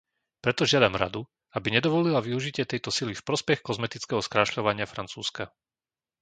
Preto žiadam Radu, aby nedovolila využitie tejto sily v prospech kozmetického skrášľovania Francúzska.